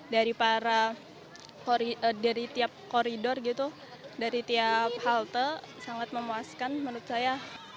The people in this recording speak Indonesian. dari tiap koridor dari tiap halte sangat memuaskan menurut saya